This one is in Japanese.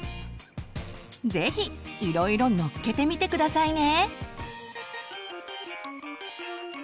ぜひいろいろのっけてみて下さいね！